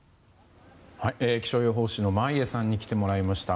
気象予報士の眞家さんに来てもらいました。